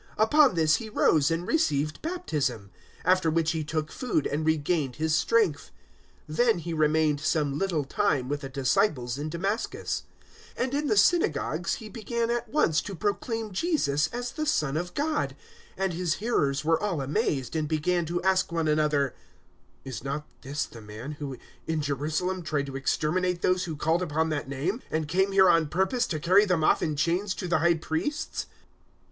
Upon this he rose and received baptism; 009:019 after which he took food and regained his strength. Then he remained some little time with the disciples in Damascus. 009:020 And in the synagogues he began at once to proclaim Jesus as the Son of God; 009:021 and his hearers were all amazed, and began to ask one another, "Is not this the man who in Jerusalem tried to exterminate those who called upon that Name, and came here on purpose to carry them off in chains to the High Priests?"